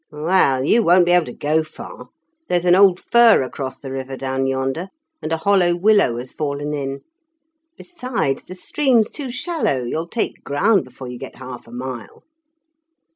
"Well, you won't be able to go far; there's an old fir across the river down yonder, and a hollow willow has fallen in. Besides, the stream's too shallow; you'll take ground before you get half a mile."